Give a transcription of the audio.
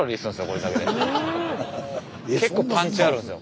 結構パンチあるんすよ。